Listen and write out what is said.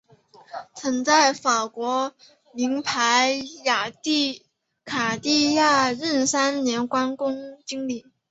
曾在法国名牌卡地亚任三年公关经理。